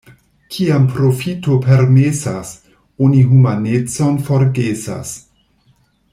Kiam profito permesas, oni humanecon forgesas.